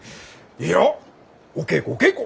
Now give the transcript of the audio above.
いやお稽古お稽古！